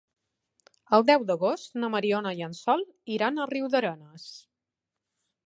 El deu d'agost na Mariona i en Sol iran a Riudarenes.